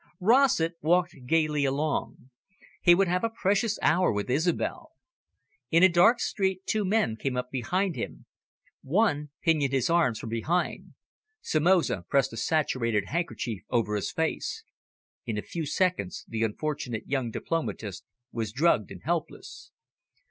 Rossett walked gaily along. He would have a precious hour with Isobel. In a dark street two men came up behind him. One pinioned his arms from behind. Somoza pressed a saturated handkerchief over his face. In a few seconds the unfortunate young diplomatist was drugged and helpless.